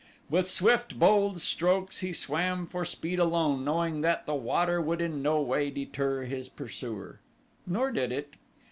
With swift, bold strokes he swam for speed alone knowing that the water would in no way deter his pursuer. Nor did it.